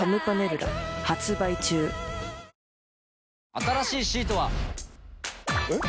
新しいシートは。えっ？